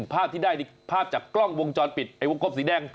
ภาพที่ได้นี่ภาพจากกล้องวงจรปิดไอ้วงกลมสีแดง